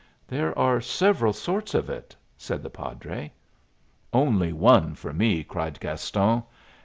"There are several sorts of it," said the padre. "Only one for me!" cried Gaston.